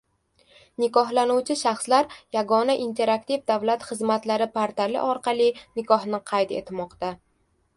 Nikohlanuvchi shaxslar yagona interaktiv davlat xizmatlari portali orqali nikohni qayd etmoqda